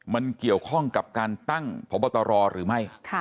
มันเกี่ยวข้องกับการตั้งพบตรหรือไม่